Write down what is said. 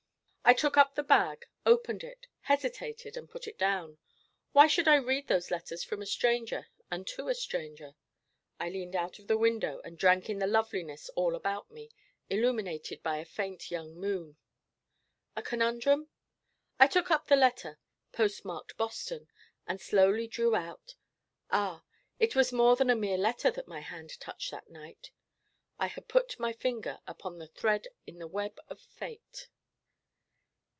I took up the bag, opened it, hesitated, and put it down. Why should I read those letters from a stranger, and to a stranger? I leaned out of the window and drank in the loveliness all about me, illuminated by a faint young moon. 'A conundrum?' I took up the letter post marked Boston, and slowly drew out ah, it was more than a mere letter that my hand touched that night. I had put my finger upon a thread in the web of fate!